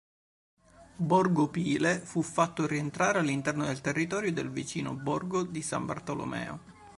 Borgo Pile fu fatto rientrare all'interno del territorio del vicino Borgo di San Bartolomeo.